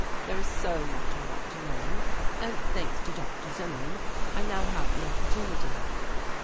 "There is so much I want to learn, and, thanks to Dr. Zimmern, I now have the opportunity."